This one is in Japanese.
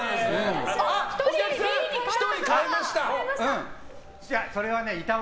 １人Ｂに変えました！